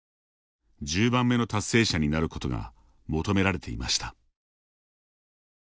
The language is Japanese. １０番目の達成者になることが求められていました。